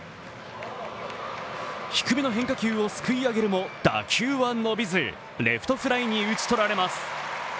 低めの変化球をすくい上げるも打球は伸びず、レフトフライに打ち取られます。